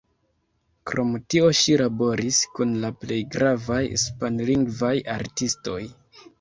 Krom tio ŝi laboris kun la plej gravaj hispanlingvaj artistoj.